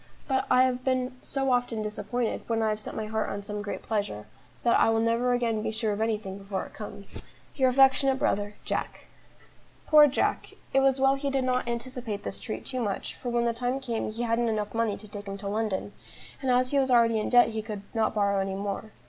But I have been so often disappointed when I have set my heart on some great pleasure, that I will never again be sure of anything before it comes. "Your affectionate brother, "JACK." Poor Jack! it was well he did not anticipate this treat too much, for when the time came he hadn't enough money to take him to London, and as he was already in debt he could not borrow any more.